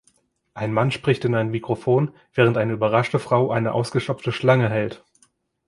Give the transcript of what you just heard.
Ein Mann spricht in ein Mikrofon, während eine überraschte Frau eine ausgestopfte Schlange hält.